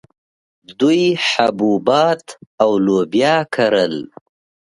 دوی حبوبات او لوبیا کرل